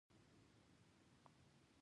خو د ماسکو په غونډه کې